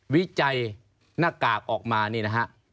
วิจัยหน้ากากออกมานี่นะฮะ